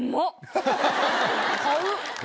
買う！